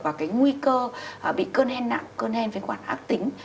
và cái nguy cơ bị cơn hen nặng cơn hen phế quản ác tính